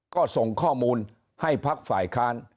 ก็ส่งข้อมูลให้พักฝ่ายค้าน